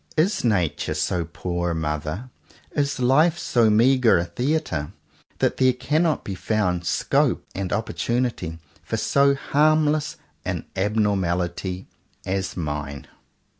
Is nature so poor a mother, is life so meagre a theatre, that there cannot be found scope and opportunity for so harmless an abnormality as mine.